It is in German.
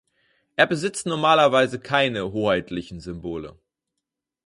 Er besitzt normalerweise keine hoheitlichen Symbole.